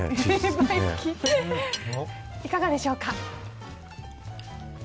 いかがでしょうか。